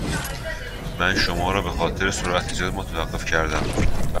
من شما را به خاطر سرعت زیاد متوقف کردم.